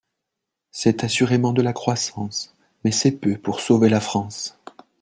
C’est assurément de la croissance, mais c’est peu pour sauver la France.